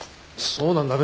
そうなんだ。